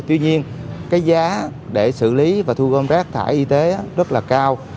tuy nhiên cái giá để xử lý và thu gom rác thải y tế rất là cao